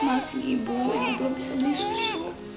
maafin ibu ibu belum bisa minum susu